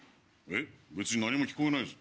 別に何も聞こえないぞ。